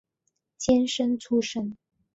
监生出身。